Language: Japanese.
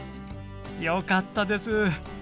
よかったです。